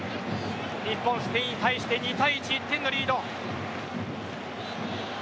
日本、スペインに対して２対１、１点のリード。